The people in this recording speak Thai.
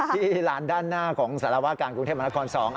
ที่ลานด้านหน้าของสารวาการกรุงเทพมหานคร๒